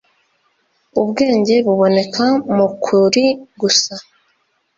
ubwenge buboneka mu kuri gusa